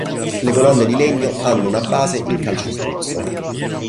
Le colonne di legno hanno una base in calcestruzzo.